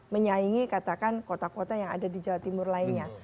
menyaingi katakan kota kota yang ada di jawa timur lainnya